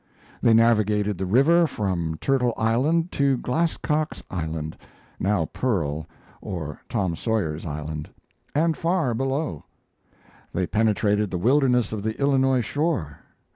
They navigated the river from Turtle Island to Glasscock's Island (now Pearl, or Tom Sawyer's Island), and far below; they penetrated the wilderness of the Illinois shore.